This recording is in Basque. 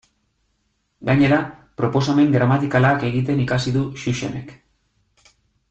Gainera, proposamen gramatikalak egiten ikasi du Xuxenek.